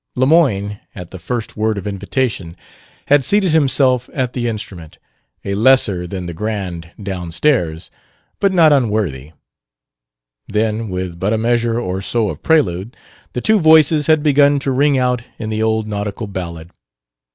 Lemoyne, at the first word of invitation, had seated himself at the instrument a lesser than the "grand" downstairs, but not unworthy; then, with but a measure or so of prelude, the two voices had begun to ring out in the old nautical ballad.